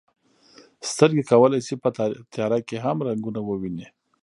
سترګې کولی شي په تیاره کې هم رنګونه وویني.